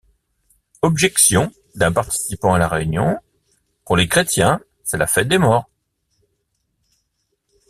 Objection d'un participant à la réunion: pour les Chrétiens, c'est la fête des morts.